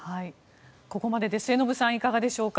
ここまで末延さんいかがでしょうか？